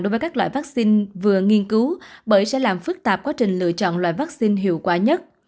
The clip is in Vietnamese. đối với các loại vaccine vừa nghiên cứu bởi sẽ làm phức tạp quá trình lựa chọn loại vaccine hiệu quả nhất